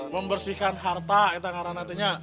membersihkan harta kita karenanya